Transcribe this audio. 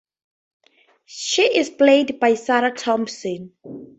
She is played by Sarah Thompson.